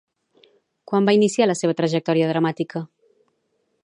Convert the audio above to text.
Quan va iniciar la seva trajectòria dramàtica?